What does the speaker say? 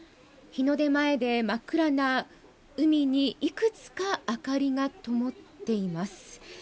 日の出前で真っ暗な海にいくつか明かりがともっています